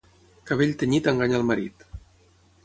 Cabell tenyit enganya el marit.